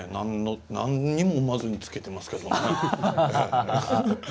なんにも思わずに付けてますけどね。